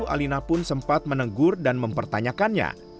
alina pun sempat menegur dan mempertanyakannya